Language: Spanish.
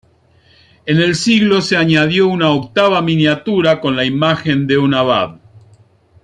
En el siglo se añadió una octava miniatura con la imagen de un abad.